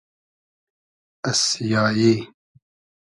از سیایی